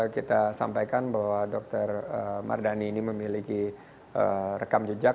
kita sampaikan bahwa dr mardhani ini memiliki rekam jejak